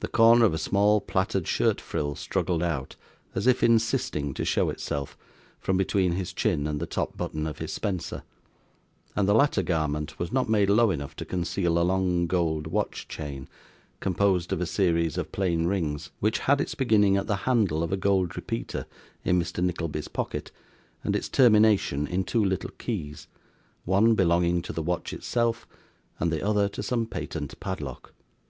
The corner of a small plaited shirt frill struggled out, as if insisting to show itself, from between his chin and the top button of his spencer; and the latter garment was not made low enough to conceal a long gold watch chain, composed of a series of plain rings, which had its beginning at the handle of a gold repeater in Mr. Nickleby's pocket, and its termination in two little keys: one belonging to the watch itself, and the other to some patent padlock.